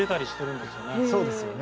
そうですよね。